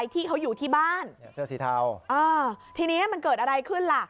ทีนี้มันเกิดอะไรขึ้นล่ะ